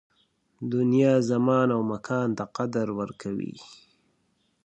دنیا زمان او مکان ته قدر ورکوي